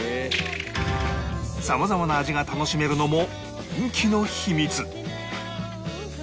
さまざまな味が楽しめるのも人気の秘密